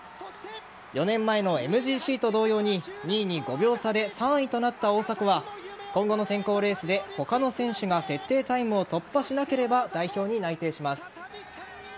４年前のＭＧＣと同様に２位に５秒差で３位となった大迫は今後の選考レースで他の選手が設定タイムを突破しなければ代表に内定します。